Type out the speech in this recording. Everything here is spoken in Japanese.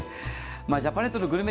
ジャパネットのグルメ